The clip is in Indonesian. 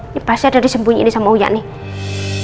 ini pasti ada disembunyiin sama uya nih